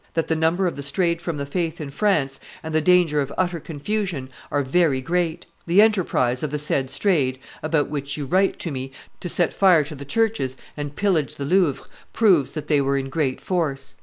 "that the number of the strayed from the faith in France, and the danger of utter confusion, are very great; the enterprise of the said strayed, about which you write to me, to set fire to the churches and pillage the Louvre, proves that they were in great force.